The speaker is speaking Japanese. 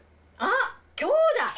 あっ今日だ！